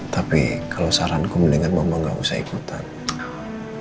tapi kalau saranku mendingan bapak gak usah ikutan